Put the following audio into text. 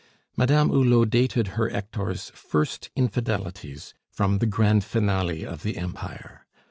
Madame Hulot dated her Hector's first infidelities from the grand finale of the Empire.